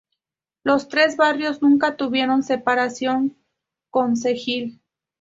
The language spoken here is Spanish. Los tres barrios nunca tuvieron separación concejil.